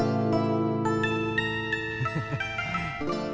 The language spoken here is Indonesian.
ada apa mak